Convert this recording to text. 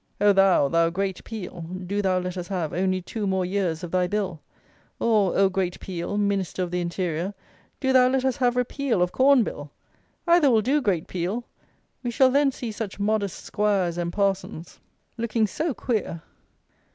Oh, thou, thou great Peel, do thou let us have only two more years of thy Bill! Or, oh, great Peel, Minister of the interior, do thou let us have repeal of Corn Bill! Either will do, great Peel. We shall then see such modest 'squires, and parsons looking so queer!